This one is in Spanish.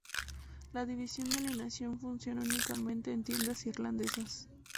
La división de alimentación funciona únicamente en tiendas Irlandesas.